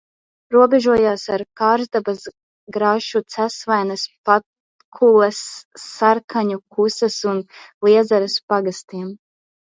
Robežojās ar Kārzdabas, Grašu, Cesvaines, Patkules, Sarkaņu, Kusas un Liezeres pagastiem.